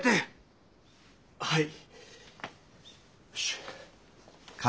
はい。